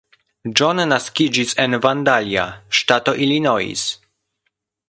John naskiĝis en Vandalia, ŝtato Illinois.